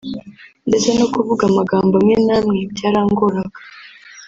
ndetse no kuvuga amagambo amwe n’amwe byarangoraga